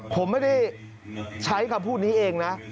ผมไม่ได้ใช้คำพูดนี้เองนะ